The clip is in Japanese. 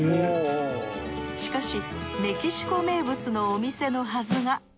しかしメキシコ名物のお店のはずが。